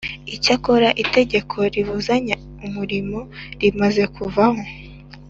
Icyakora itegeko ribuzanya umurimo rimaze kuvaho